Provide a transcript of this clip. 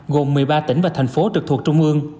gồm một mươi ba tỉnh và thành phố trực thuộc trung ương